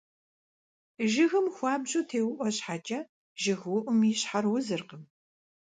Жыгым хуабжьу теуIуэ щхьэкIэ, жыгыуIум и щхьэр узыркъым.